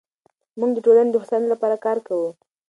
موږ د ټولنې د هوساینې لپاره کار کوو.